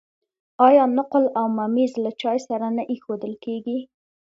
آیا نقل او ممیز له چای سره نه ایښودل کیږي؟